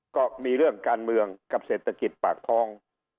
ก็มีเรื่องการเมืองกับเศรษฐกิจปากท้อง